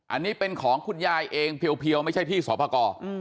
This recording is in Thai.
อันนี้เป็นของคุณยายเองเพียวไม่ใช่ที่สอบประกอบ